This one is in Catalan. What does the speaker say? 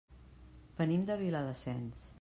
Venim de Viladasens.